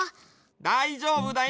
だいじょうぶだよ。